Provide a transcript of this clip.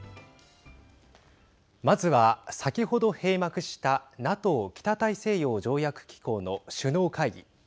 まずは、先ほど閉幕したＮＡＴＯ＝北大西洋条約機構の首脳会議。